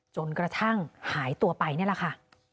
จนกระทั่งหายตัวไปนี่แหละค่ะ